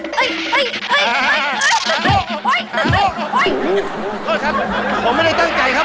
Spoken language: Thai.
โทษขอโทษครับผมไม่ได้ตั้งใจครับ